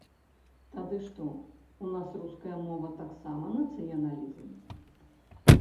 Тады што, у нас руская мова таксама нацыяналізм?